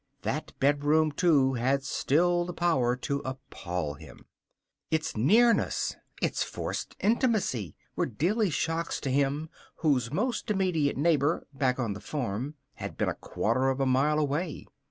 That bedroom, too, had still the power to appall him. Its nearness, its forced intimacy, were daily shocks to him whose most immediate neighbor, back on the farm, had been a quarter of a mile away.